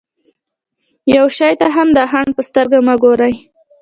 يوه شي ته هم د خنډ په سترګه مه ګورئ.